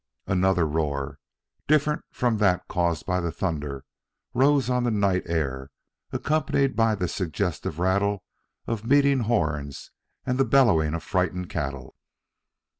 Another roar, different from that caused by the thunder, rose on the night air, accompanied by the suggestive rattle of meeting horns and the bellowing of frightened cattle.